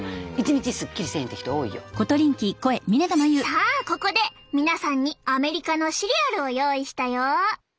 さあここで皆さんにアメリカのシリアルを用意したよ。